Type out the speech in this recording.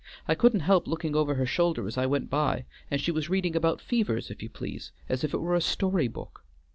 I couldn't help looking over her shoulder as I went by, and she was reading about fevers, if you please, as if it were a story book.